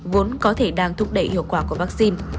vốn có thể đang thúc đẩy hiệu quả của vaccine